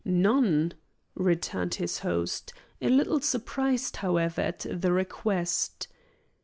"None," returned his host, a little surprised, however, at the request.